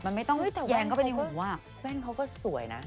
มันไม่ต้องแยงเข้าไปในหูอ่ะแว่นเขาก็สวยนะ